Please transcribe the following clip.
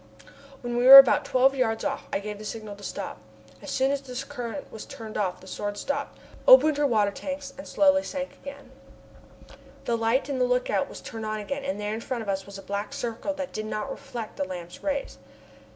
When we were about twelve yards off I gave the signal to stop. As soon as the current was turned off the Sword stopped, opened her water tanks and slowly sank again. Then the light in the lookout was turned on again, and there in front of us was a black circle that did not reflect the lamp's rays.